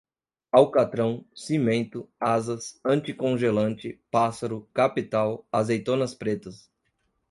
alcatrão, cimento, asas, anticongelante, pássaro, capital, azeitonas pretas